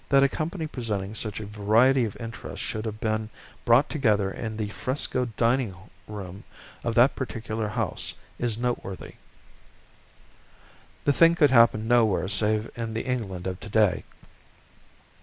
That a company presenting such a variety of interests should have been brought together in the frescoed dining room of that particular house is noteworthy. The thing could happen nowhere save in the England of today.